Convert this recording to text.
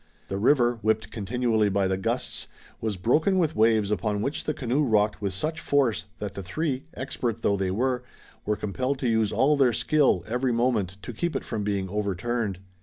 The river, whipped continually by the gusts, was broken with waves upon which the canoe rocked with such force that the three, expert though they were, were compelled to use all their skill, every moment, to keep it from being overturned.